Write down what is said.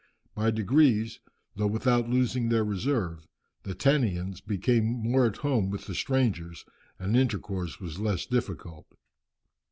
By degrees, though without losing their reserve, the Tannians became more at home with the strangers, and intercourse was less difficult.